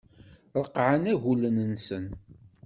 Reqqɛen agulen-nsen.